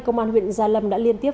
công an huyện gia lâm đã liên tiếp